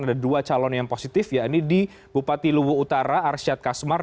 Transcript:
ada dua calon yang positif ya ini di bupati lubu utara arsyad kasmar